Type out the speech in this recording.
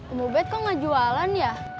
omobet kok gak jualan ya